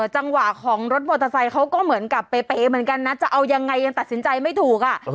จังหวะของรถมอเตอร์ไซค์เขาก็เหมือนกับเป๋เหมือนกันนะจะเอายังไงยังตัดสินใจไม่ถูก